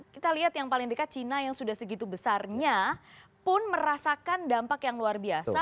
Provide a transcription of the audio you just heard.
kita lihat yang paling dekat cina yang sudah segitu besarnya pun merasakan dampak yang luar biasa